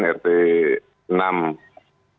dekatan rt enam